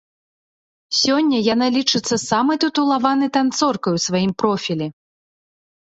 Сёння яна лічыцца самай тытулаванай танцоркай у сваім профілі.